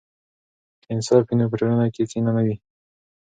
که انصاف وي نو په ټولنه کې کینه نه وي.